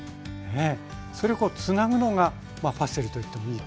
それをこうつなぐのがパセリといってもいい。